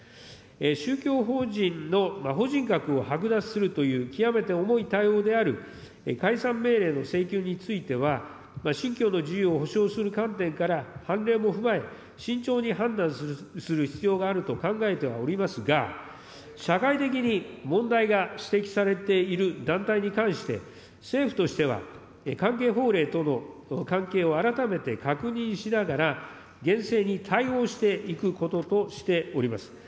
宗教法人の法人格をはく奪するという極めて重い対応である解散命令の請求については、宗教の自由を尊重する観点から判例も踏まえ、慎重に判断する必要があると考えてはおりますが、社会的に問題が指摘されている団体に関して、政府としては関係法令との関係を改めて確認しながら、厳正に対応していくこととしております。